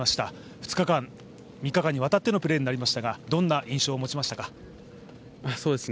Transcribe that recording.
２日間、３日間にわたってのプレーになりましたがどんな印象になりましたか？